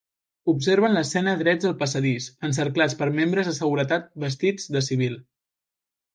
Observen l'escena drets al passadís, encerclats per membres de seguretat vestits de civil.